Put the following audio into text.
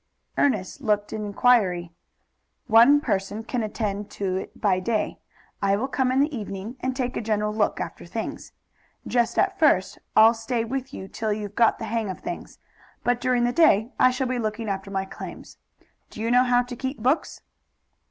Ernest looked an inquiry. "One person can attend to it by day. I will come in the evening, and take a general look after things. Just at first I'll stay with you till you've got the hang of things. But during the day I shall be looking after my claims. Do you know how to keep books?"